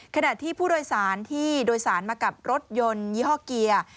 ขณะที่ผู้โดยสารที่โดยสารมากับรถยนต์ยี่ห้อเกียร์